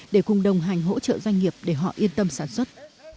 để cùng đồng hành hỗ trợ doanh nghiệp để họ yên tâm sản xuất